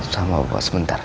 sama bapak sebentar